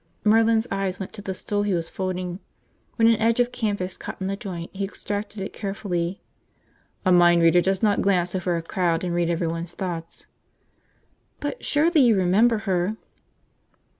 Merlin's eyes went to the stool he was folding. When an edge of canvas caught in the joint, he extracted it carefully. "A mind reader does not glance over a crowd and read everyone's thoughts." "But surely you remember her!"